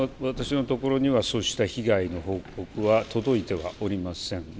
私のところにはそうした被害の報告は届いてはおりません。